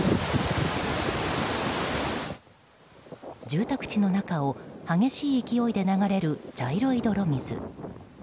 住宅地の中を激しい勢いで流れる茶色い泥水。